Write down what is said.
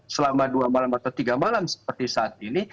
selama dua malam atau tiga malam seperti saat ini